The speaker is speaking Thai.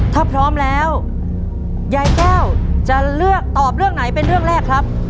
ถ้าพร้อมแล้วยายแก้วจะเลือกตอบเรื่องไหนเป็นเรื่องแรกครับ